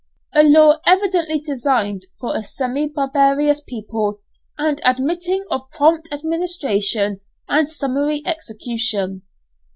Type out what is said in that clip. a law evidently designed for a semi barbarous people, and admitting of prompt administration and summary execution.